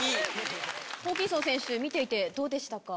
ホーキンソン選手見ていてどうでしたか？